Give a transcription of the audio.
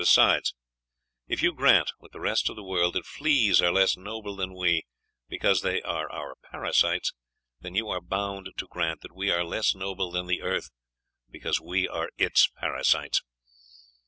Besides, if you grant, with the rest of the world, that fleas are less noble than we, because they are our parasites, then you are bound to grant that we are less noble than the earth, because we are its parasites.